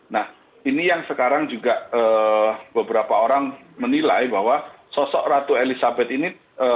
nah ini yang sekarang juga beberapa orang menilai bahwa sosok ratu elizabeth ini